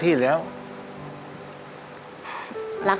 มีความสุขครับ